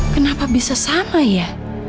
kenapa bisa sama ya